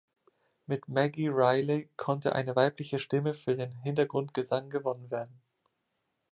Mit Maggie Reilly konnte eine weibliche Stimme für den Hintergrundgesang gewonnen werden.